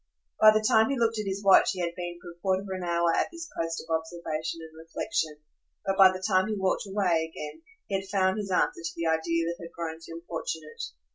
By the time he looked at his watch he had been for a quarter of an hour at this post of observation and reflexion; but by the time he walked away again he had found his answer to the idea that had grown so importunate.